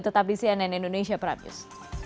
tetap di cnn indonesia prime news